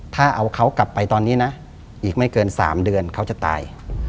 ถ้าเอาเขากลับไปตอนนี้นะอีกไม่เกิน๓เดือนเขาจะตาย